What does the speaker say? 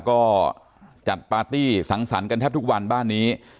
ก็จัดปาร์ตี้สังสรรค์กันแทบทุกวันบ้านนี้